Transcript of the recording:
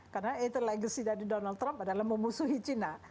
karena itu legacy dari donald trump adalah memusuhi china